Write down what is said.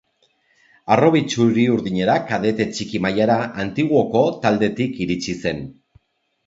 Harrobi txuri-urdinera kadete txiki mailara Antiguoko taldetik iritsi zen.